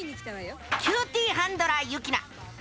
キューティーハンドラーユキナ。